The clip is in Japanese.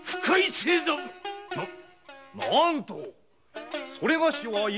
ななんとそれがしは。